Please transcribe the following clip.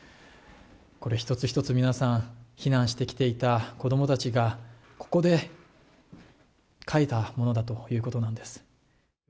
これ一つ一つ、皆さん避難してきた子供たちがここで描いたものだということなんです。